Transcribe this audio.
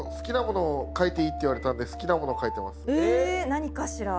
何かしら？